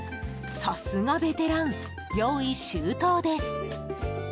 さすがベテラン、用意周到です。